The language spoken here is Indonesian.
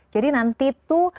jadi nanti itu